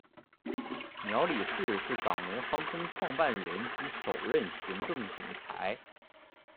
苗礼士是港龙航空创办人及首任行政总裁。